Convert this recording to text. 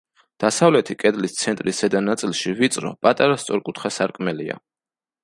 დასავლეთი კედლის ცენტრის ზედა ნაწილში ვიწრო, პატარა სწორკუთხა სარკმელია.